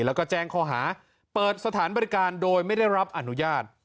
แล้วก็แจ้งข้อหาเปิดสถานบริการโดยไม่ได้รับอนุญาต